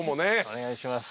お願いします。